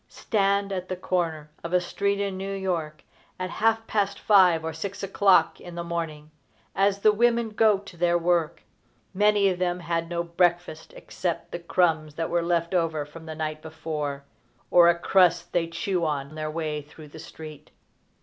Stand at the corner of a street in New York at half past five or six o'clock in the morning, as the women go to their work. Many of them had no breakfast except the crumbs that were left over from the night before, or a crust they chew on their way through the street.